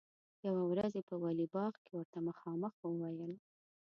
یوه ورځ یې په ولي باغ کې ورته مخامخ وویل.